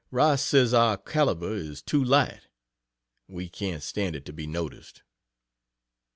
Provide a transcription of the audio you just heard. Rice says our calibre is too light we can't stand it to be noticed!